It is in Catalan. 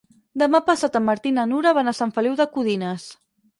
Demà passat en Martí i na Nura van a Sant Feliu de Codines.